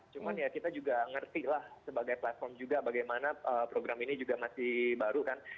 cuman ya kita juga ngerti lah sebagai platform juga bagaimana program ini juga masih baru kan